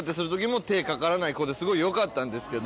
「すごいよかったんですけど」。